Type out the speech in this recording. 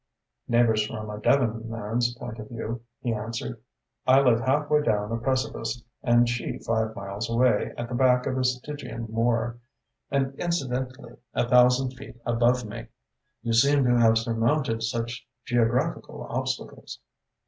"Neighbours from a Devon man's point of view," he answered. "I live half way down a precipice, and she five miles away, at the back of a Stygian moor, and incidentally a thousand feet above me." "You seem to have surmounted such geographical obstacles."